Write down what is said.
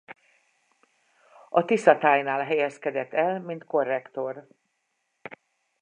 A Tiszatájnál helyezkedett el mint korrektor.